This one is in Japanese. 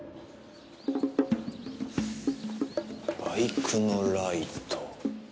バイクのライト。